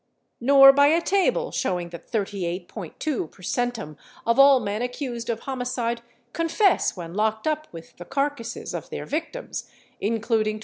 nor by a table showing that 38.2 per centum of all men accused of homicide confess when locked up with the carcasses of their victims, including 23.